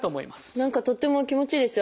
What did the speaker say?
何かとっても気持ちいいですよ。